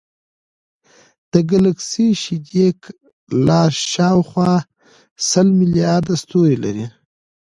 د ګلکسي شیدې لار شاوخوا سل ملیارده ستوري لري.